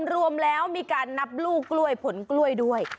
รวมแล้วมีการนับลูกกล้วยผลกล้วยด้วย